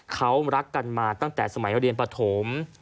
เขารักกันมาตั้งแต่สมัยเรียนปฐม